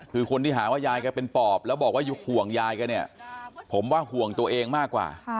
คือคนที่หาว่ายายแกเป็นปอบแล้วบอกว่าห่วงยายแกเนี่ยผมว่าห่วงตัวเองมากกว่า